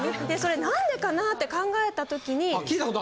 でそれ何でかなって考えたときに。